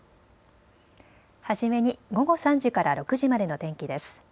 初めに午後３時から６時までの天気です。